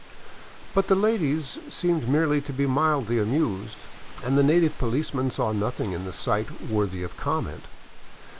But the ladies seemed merely to be mildly amused, and the native policeman saw nothing in the sight worthy of comment.